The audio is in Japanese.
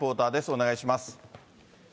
お願いします。